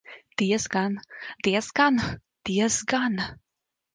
Diezgan, diezgan, diezgan!